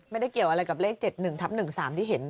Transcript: ไม่ได้เกี่ยวอะไรกับเลข๗๑ทับ๑๓ที่เห็น